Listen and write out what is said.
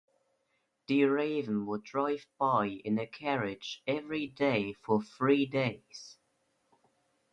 The raven would drive by in a carriage every day for three days.